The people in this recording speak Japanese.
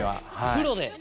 プロで？